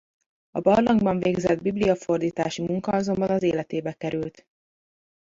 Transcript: A barlangban végzett bibliafordítási munka azonban az életébe került.